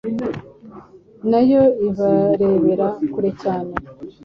Na yo ibarebera kure cyane